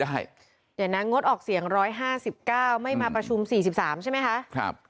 เดี๋ยวนั้นงดออกเสียงร้อยห้าสิบเก้าไม่มาประชุมสี่สิบสามใช่ไหมคะครับ